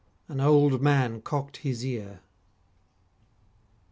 An old man cocked his ear.